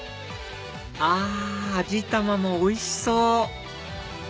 あ味玉もおいしそう！